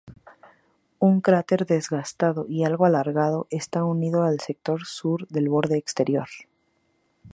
Un cráter desgastado y algo alargado está unido al sector sur del borde exterior.